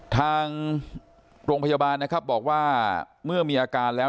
ทางโรงพยาบาลนะครับบอกว่าเมื่อมีอาการแล้ว